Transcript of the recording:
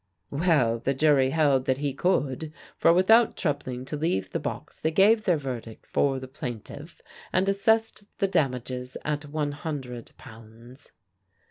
_" Well, the jury held that he could; for without troubling to leave the box they gave their verdict for the plaintiff, and assessed the damages at one hundred pounds.